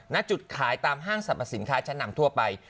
ณจุดขายตามห้างสรรพสินค้าชั้นนำทั่วไป